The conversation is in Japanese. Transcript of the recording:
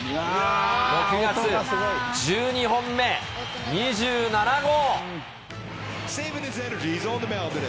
６月１２本目、２７号。